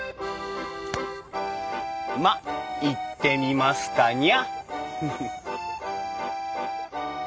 まっ行ってみますかにゃ。